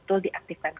terima kasih pak menteri